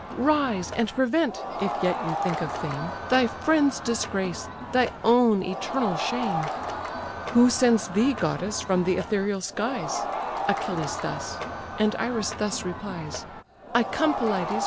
Rise, and prevent (if yet you think of fame) Thy friend's disgrace, thy own eternal shame!" "Who sends thee, goddess, from the ethereal skies?" Achilles thus. And Iris thus replies: "I come, Pelides!